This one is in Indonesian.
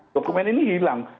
dokumen ini hilang